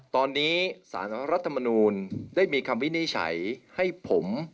ตอนนี้สารรัฐมนูลได้มีคำวินิจฉัยให้ผม